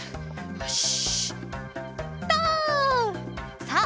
よし！